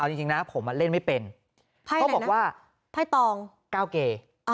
เอาจริงจริงนะผมอะเล่นไม่เป็นไพ่ไหนนะเขาบอกว่าไพ่ตองเก้าเกย์อ่า